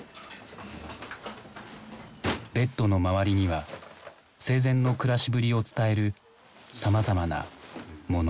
ベッドの周りには生前の暮らしぶりを伝えるさまざまな「モノ」。